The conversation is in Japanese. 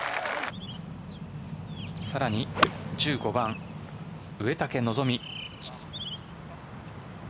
さらに１５番植竹希望。